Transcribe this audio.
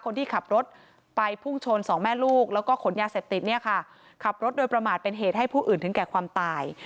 คนที่ขับรถไปพุ่งชนสองแม่ลูกแล้วก็ขนยาเสพติดเนี่ยค่ะขับรถโดยประมาทเป็นเหตุให้ผู้อื่นถึงแก่ความตาย